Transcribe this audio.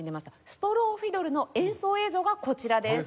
ストローフィドルの演奏映像がこちらです。